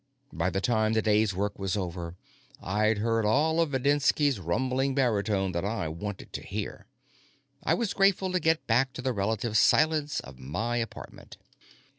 By the time the day's work was over, I'd heard all of Videnski's rumbling baritone that I wanted to hear. I was grateful to get back to the relative silence of my apartment.